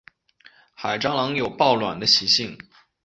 海蟑螂有抱卵的习性。